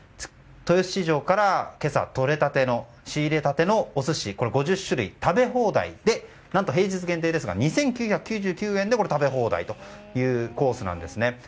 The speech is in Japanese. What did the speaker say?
豊洲市場から今朝とれたて仕入れたてのお寿司５０種類食べ放題で何と平日限定ですが２９９９円で食べ放題というコースなんですね。